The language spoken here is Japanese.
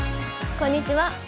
こんにちは。